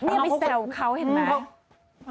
นี่ไปแซวเขาเห็นไหม